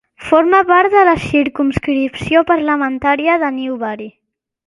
Forma part de la circumscripció parlamentària de Newbury.